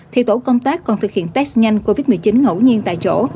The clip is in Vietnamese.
thì tổ công tác còn thực hiện test nhanh covid một mươi chín ngẫu nhiên tại chỗ